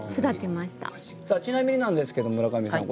さあちなみになんですけど村上さん